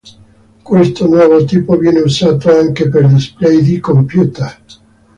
Questo nuovo tipo viene usato anche per display di computer.